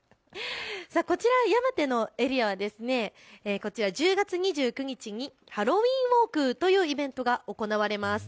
こちら山手のエリアは１０月２９日にハロウィンウォークとイベントが開かれます。